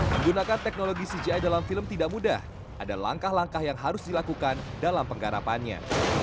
menggunakan teknologi cgi dalam film tidak mudah ada langkah langkah yang harus dilakukan dalam penggarapannya